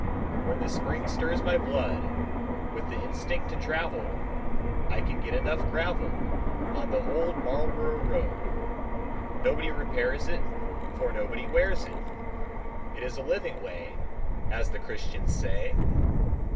When the spring stirs my blood With the instinct to travel, I can get enough gravel On the Old Marlborough Road. Nobody repairs it, For nobody wears it; It is a living way, As the Christians say.